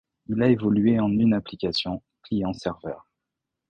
Il a évolué en une application client-serveur.